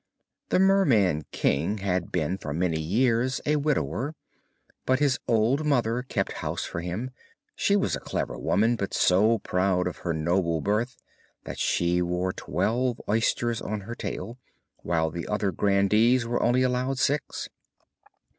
The Merman King had been for many years a widower, but his old mother kept house for him; she was a clever woman, but so proud of her noble birth that she wore twelve oysters on her tail, while the other grandees were only allowed six.